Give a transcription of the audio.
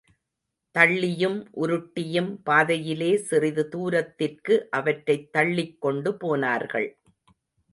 தள்ளியும் உருட்டியும் பாதையிலே சிறிது தூரத்திற்கு அவற்றைத் தள்ளிக் கொண்டு போனார்கள்.